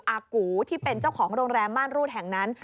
อากูที่เป็นเจ้าของโรงแรมม่านรูดแห่งนั้น